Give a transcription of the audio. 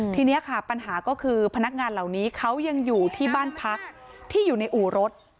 ทีนี้ค่ะปัญหาก็คือพนักงานเหล่านี้เขายังอยู่ที่บ้านพักที่อยู่ในอู่รถ